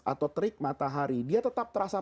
atau terik matahari dia tetap terasa